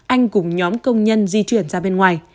anh cùng nhóm công nhân di chuyển ra bên ngoài